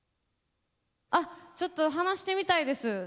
あっちょっと話してみたいです。